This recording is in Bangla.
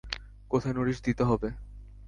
কোথায় নোটিশ দিতে হবে?